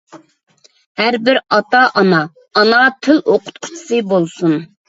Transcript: ھەر بىر ئاتا-ئانا ئانا تىل ئوقۇتقۇچىسى بولسۇن!